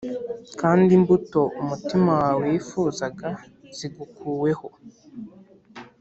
Kandi imbuto umutima wawe wifuzaga zigukuweho,